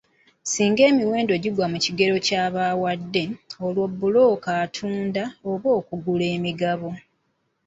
Singa emiwendo gigwa mu kigero ky'aba awadde, olwo bbulooka atunda oba agula emigabo.